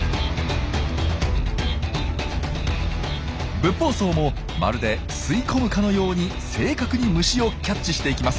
ブッポウソウもまるで吸い込むかのように正確に虫をキャッチしていきます。